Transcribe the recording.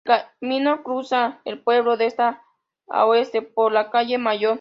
El Camino cruza el pueblo de este a oeste por la calle Mayor.